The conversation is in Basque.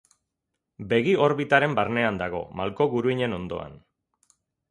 Begi-orbitaren barnean dago, malko-guruinen ondoan.